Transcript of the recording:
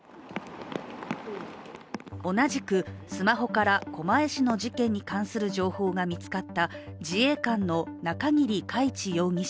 同じくスマホから狛江市の事件に関する情報が見つかった自衛官の中桐海知容疑者。